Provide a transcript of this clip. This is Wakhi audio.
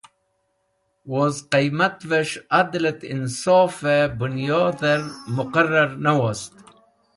Woz Qaimatves̃h Adal et Insofe Bunyodher Muqarrar ne wost.